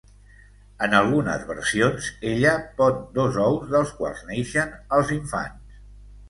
En algunes versions, ella pon dos ous dels quals naixen els infants.